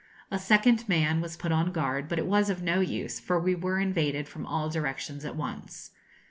A second man was put on guard; but it was of no use, for we were invaded from all directions at once.